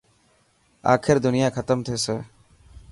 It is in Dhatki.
آخر دنيا ختم ٿيسي.